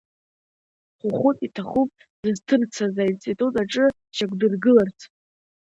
Хәыхәыт иҭахуп дызҭырцаз аинститут аҿы дшьақәдыргыларц.